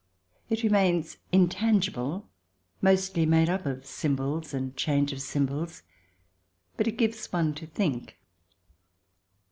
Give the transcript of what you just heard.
It remains intangible, mostly made up of symbols and change of symbols ; but it gives one to think.